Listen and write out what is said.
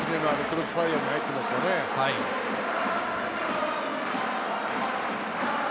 キレのあるクロスファイアに入っていましたからね。